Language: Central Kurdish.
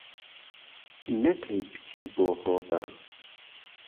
نەکەی بچی بۆ هۆبە